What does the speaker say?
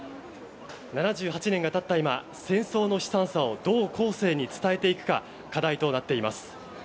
７８年がたった今戦争の悲惨さをどう後世に伝えていくか課題となっています。